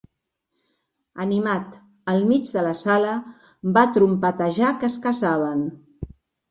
Animat, al mig de la sala va trompetejar que es casaven.